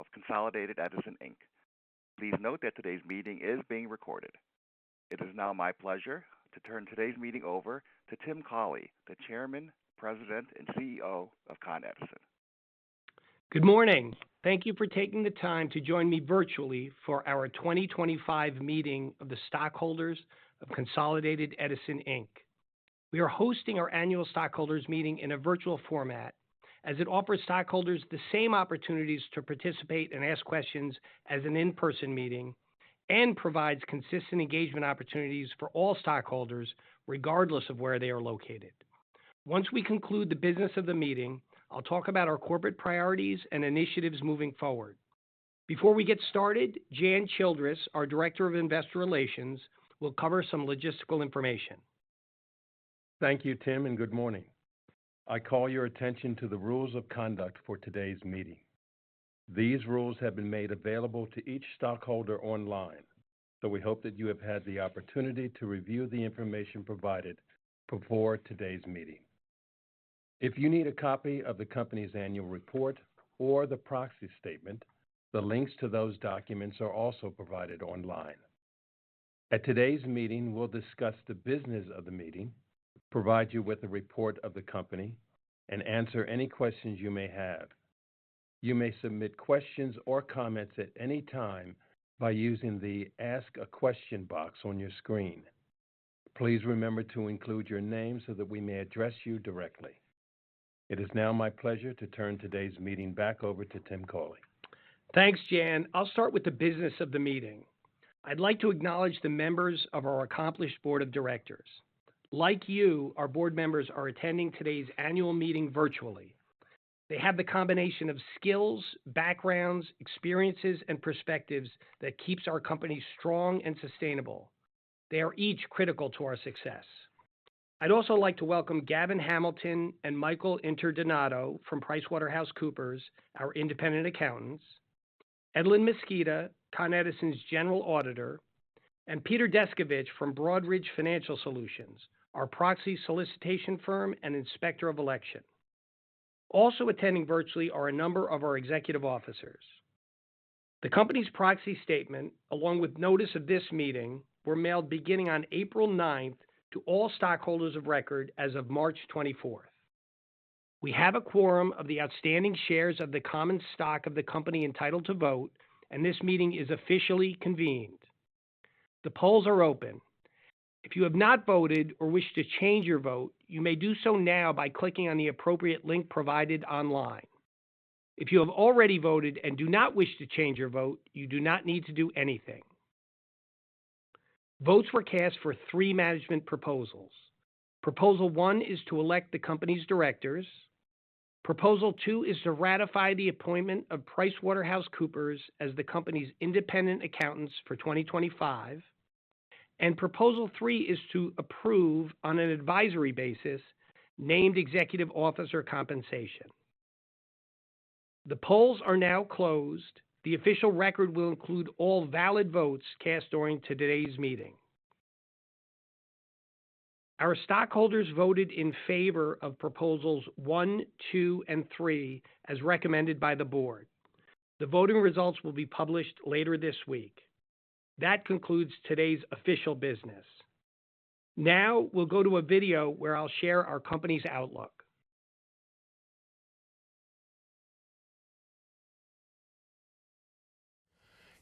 Of Consolidated Edison, Inc. Please note that today's meeting is being recorded. It is now my pleasure to turn today's meeting over to Tim Cawley, the Chairman, President, and CEO of Con Edison. Good morning. Thank you for taking the time to join me virtually for our 2025 meeting of the stockholders of Consolidated Edison, Inc. We are hosting our annual stockholders' meeting in a virtual format as it offers stockholders the same opportunities to participate and ask questions as an in-person meeting and provides consistent engagement opportunities for all stockholders, regardless of where they are located. Once we conclude the business of the meeting, I'll talk about our corporate priorities and initiatives moving forward. Before we get started, Jan Childress, our Director of Investor Relations, will cover some logistical information. Thank you, Tim, and good morning. I call your attention to the rules of conduct for today's meeting. These rules have been made available to each stockholder online, so we hope that you have had the opportunity to review the information provided before today's meeting. If you need a copy of the company's annual report or the proxy statement, the links to those documents are also provided online. At today's meeting, we'll discuss the business of the meeting, provide you with a report of the company, and answer any questions you may have. You may submit questions or comments at any time by using the Ask a Question box on your screen. Please remember to include your name so that we may address you directly. It is now my pleasure to turn today's meeting back over to Tim Cawley. Thanks, Jan. I'll start with the business of the meeting. I'd like to acknowledge the members of our accomplished Board of Directors. Like you, our Board members are attending today's annual meeting virtually. They have the combination of skills, backgrounds, experiences, and perspectives that keeps our company strong and sustainable. They are each critical to our success. I'd also like to welcome Gavin Hamilton and Michael Interdonato from PricewaterhouseCoopers, our independent accountants, Edlyn Misquita, Con Edison's general auditor, and Peter Descovich from Broadridge Financial Solutions, our Proxy Solicitation Firm and Inspector of Election. Also attending virtually are a number of our executive officers. The company's proxy statement, along with notice of this meeting, were mailed beginning on April 9th to all stockholders of record as of March 24th. We have a quorum of the outstanding shares of the common stock of the company entitled to vote, and this meeting is officially convened. The polls are open. If you have not voted or wish to change your vote, you may do so now by clicking on the appropriate link provided online. If you have already voted and do not wish to change your vote, you do not need to do anything. Votes were cast for three management proposals. Proposal one is to elect the company's directors. Proposal two is to ratify the appointment of PricewaterhouseCoopers as the company's independent accountants for 2025. Proposal three is to approve, on an advisory basis, named executive officer compensation. The polls are now closed. The official record will include all valid votes cast during today's meeting. Our stockholders voted in favor of proposals one, two, and three as recommended by the Board. The voting results will be published later this week. That concludes today's official business. Now we'll go to a video where I'll share our company's outlook.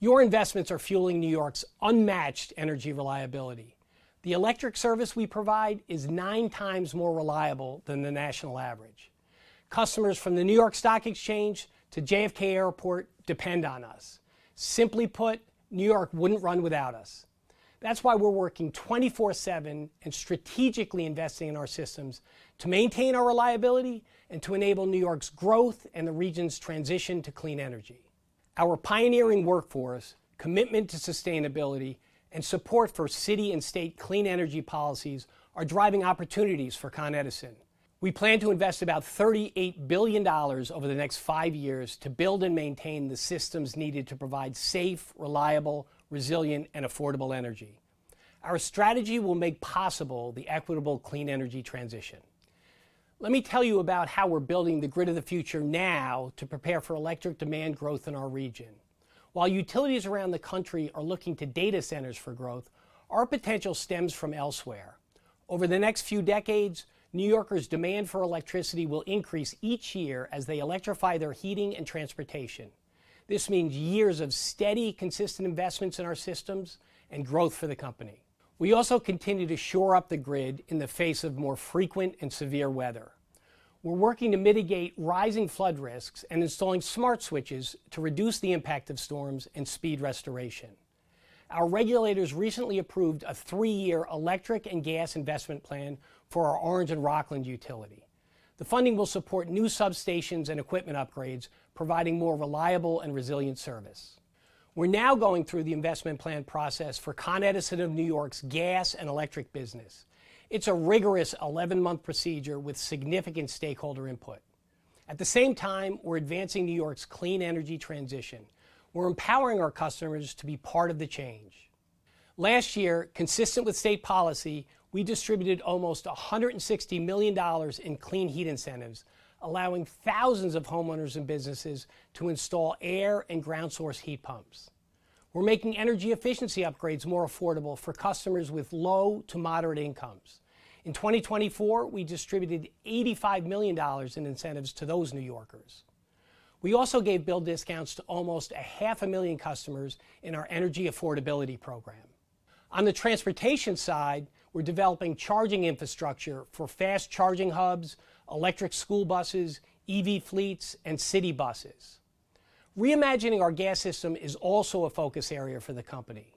Your investments are fueling New York's unmatched energy reliability. The electric service we provide is nine times more reliable than the national average. Customers from the New York Stock Exchange to JFK Airport depend on us. Simply put, New York wouldn't run without us. That's why we're working 24/7 and strategically investing in our systems to maintain our reliability and to enable New York's growth and the region's transition to clean energy. Our pioneering workforce, commitment to sustainability, and support for city and state clean energy policies are driving opportunities for Con Edison. We plan to invest about $38 billion over the next five years to build and maintain the systems needed to provide safe, reliable, resilient, and affordable energy. Our strategy will make possible the equitable clean energy transition. Let me tell you about how we're building the grid of the future now to prepare for electric demand growth in our region. While utilities around the country are looking to data centers for growth, our potential stems from elsewhere. Over the next few decades, New Yorkers' demand for electricity will increase each year as they electrify their heating and transportation. This means years of steady, consistent investments in our systems and growth for the company. We also continue to shore up the grid in the face of more frequent and severe weather. We're working to mitigate rising flood risks and installing smart switches to reduce the impact of storms and speed restoration. Our regulators recently approved a three-year electric and gas investment plan for our Orange and Rockland Utilities. The funding will support new substations and equipment upgrades, providing more reliable and resilient service. We're now going through the investment plan process for Con Edison of New York's gas and electric business. It's a rigorous 11-month procedure with significant stakeholder input. At the same time, we're advancing New York's clean energy transition. We're empowering our customers to be part of the change. Last year, consistent with state policy, we distributed almost $160 million in clean heat incentives, allowing thousands of homeowners and businesses to install air and ground source heat pumps. We're making energy efficiency upgrades more affordable for customers with low to moderate incomes. In 2024, we distributed $85 million in incentives to those New Yorkers. We also gave bill discounts to almost 500,000 customers in our energy affordability program. On the transportation side, we're developing charging infrastructure for fast charging hubs, electric school buses, EV fleets, and city buses. Reimagining our gas system is also a focus area for the company.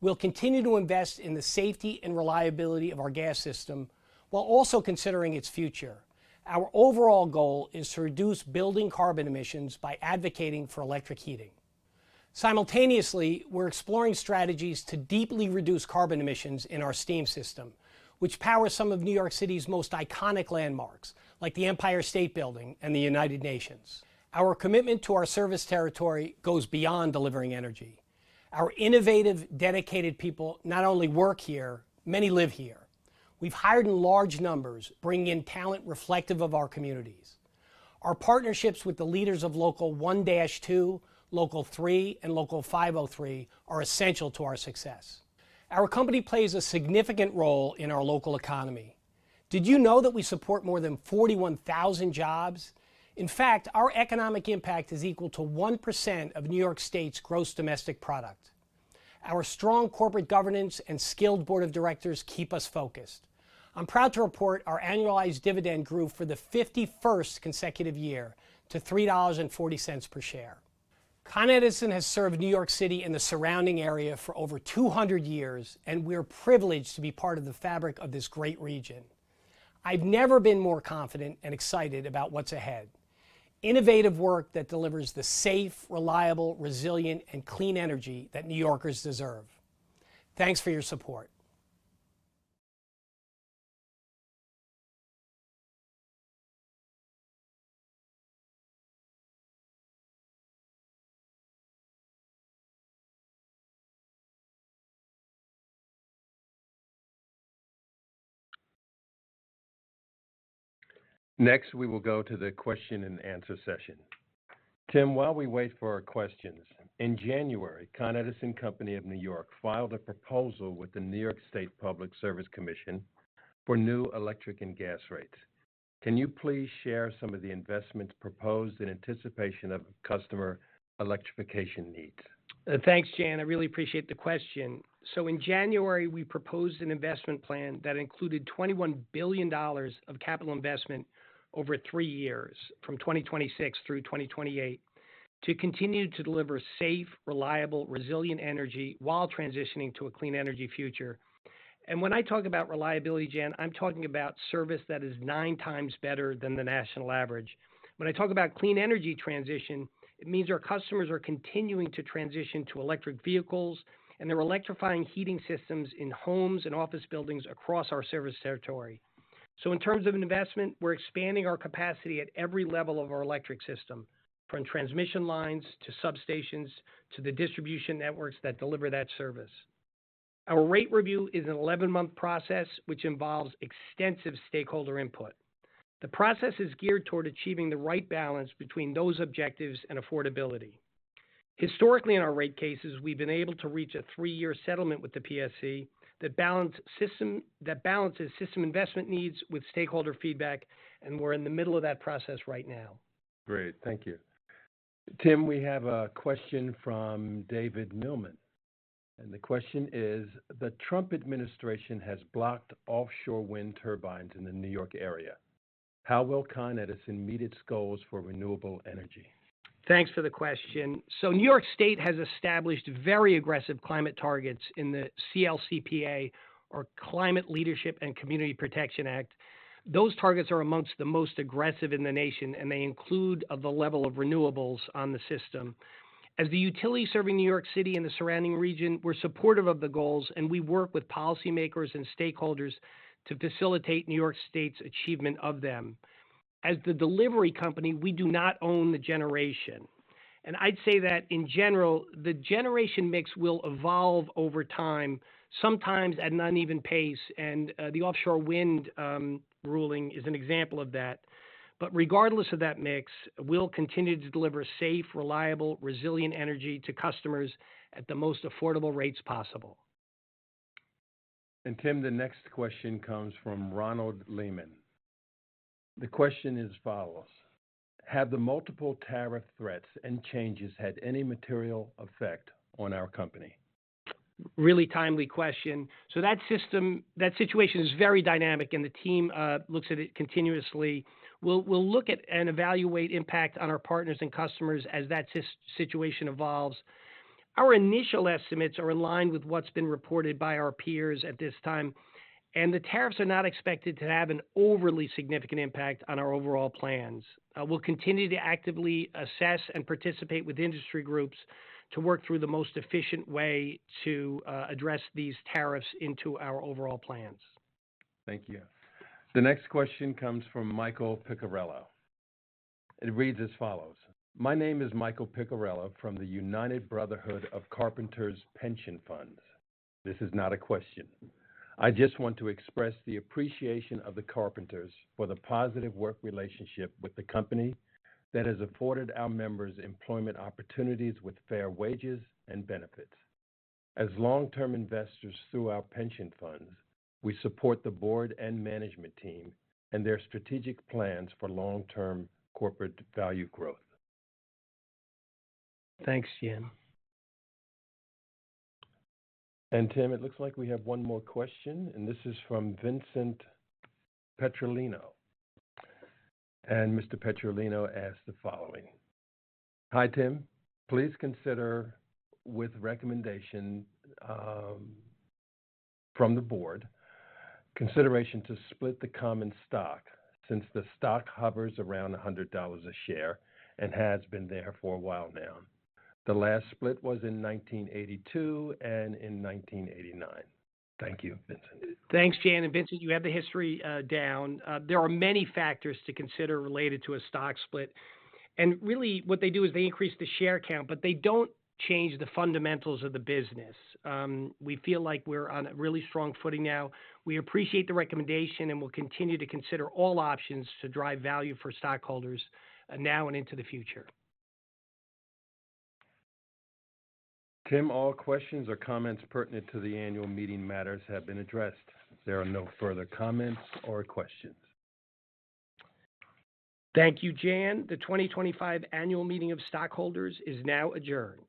We'll continue to invest in the safety and reliability of our gas system while also considering its future. Our overall goal is to reduce building carbon emissions by advocating for electric heating. Simultaneously, we're exploring strategies to deeply reduce carbon emissions in our steam system, which powers some of New York City's most iconic landmarks, like the Empire State Building and the United Nations. Our commitment to our service territory goes beyond delivering energy. Our innovative, dedicated people not only work here; many live here. We've hired in large numbers, bringing in talent reflective of our communities. Our partnerships with the leaders of Local 1-2, Local 3, and Local 503 are essential to our success. Our company plays a significant role in our local economy. Did you know that we support more than 41,000 jobs? In fact, our economic impact is equal to 1% of New York State's gross domestic product. Our strong corporate governance and skilled Board of Directors keep us focused. I'm proud to report our annualized dividend grew for the 51st consecutive year to $3.40 per share. Con Edison has served New York City and the surrounding area for over 200 years, and we're privileged to be part of the fabric of this great region. I've never been more confident and excited about what's ahead: innovative work that delivers the safe, reliable, resilient, and clean energy that New Yorkers deserve. Thanks for your support. Next, we will go to the question and answer session. Tim, while we wait for our questions, in January, Con Edison Company of New York filed a proposal with the New York State Public Service Commission for new electric and gas rates. Can you please share some of the investments proposed in anticipation of customer electrification needs? Thanks, Jan. I really appreciate the question. In January, we proposed an investment plan that included $21 billion of capital investment over three years from 2026 through 2028 to continue to deliver safe, reliable, resilient energy while transitioning to a clean energy future. When I talk about reliability, Jan, I'm talking about service that is nine times better than the national average. When I talk about clean energy transition, it means our customers are continuing to transition to electric vehicles, and they're electrifying heating systems in homes and office buildings across our service territory. In terms of investment, we're expanding our capacity at every level of our electric system, from transmission lines to substations to the distribution networks that deliver that service. Our rate review is an 11-month process, which involves extensive stakeholder input. The process is geared toward achieving the right balance between those objectives and affordability. Historically, in our rate cases, we've been able to reach a three-year settlement with the PSC that balances system investment needs with stakeholder feedback, and we're in the middle of that process right now. Great. Thank you. Tim, we have a question from David Millman. The question is, the Trump administration has blocked offshore wind turbines in the New York area. How will Con Edison meet its goals for renewable energy? Thanks for the question. New York State has established very aggressive climate targets in the CLCPA, or Climate Leadership and Community Protection Act. Those targets are amongst the most aggressive in the nation, and they include the level of renewables on the system. As the utility serving New York City and the surrounding region, we're supportive of the goals, and we work with policymakers and stakeholders to facilitate New York State's achievement of them. As the delivery company, we do not own the generation. I'd say that, in general, the generation mix will evolve over time, sometimes at an uneven pace, and the offshore wind ruling is an example of that. Regardless of that mix, we'll continue to deliver safe, reliable, resilient energy to customers at the most affordable rates possible. Tim, the next question comes from Ronald Lehman. The question is as follows: Have the multiple tariff threats and changes had any material effect on our company? Really timely question. That situation is very dynamic, and the team looks at it continuously. We will look at and evaluate impact on our partners and customers as that situation evolves. Our initial estimates are aligned with what has been reported by our peers at this time, and the tariffs are not expected to have an overly significant impact on our overall plans. We will continue to actively assess and participate with industry groups to work through the most efficient way to address these tariffs into our overall plans. Thank you. The next question comes from Michael Piccarrello. It reads as follows: My name is Michael Piccarrello from the United Brotherhood of Carpenters Pension Funds. This is not a question. I just want to express the appreciation of the carpenters for the positive work relationship with the company that has afforded our members employment opportunities with fair wages and benefits. As long-term investors through our pension funds, we support the Board and Management team and their strategic plans for long-term corporate value growth. Thanks, Jan. Tim, it looks like we have one more question, and this is from Vincent Petrolino. Mr. Petrolino asks the following: Hi, Tim. Please consider, with recommendation from the Board, consideration to split the common stock since the stock hovers around $100 a share and has been there for a while now. The last split was in 1982 and in 1989. Thank you, Vincent. Thanks, Jan. Vincent, you have the history down. There are many factors to consider related to a stock split. What they do is they increase the share count, but they do not change the fundamentals of the business. We feel like we are on a really strong footing now. We appreciate the recommendation, and we will continue to consider all options to drive value for stockholders now and into the future. Tim, all questions or comments pertinent to the annual meeting matters have been addressed. There are no further comments or questions. Thank you, Jan. The 2025 annual meeting of stockholders is now adjourned.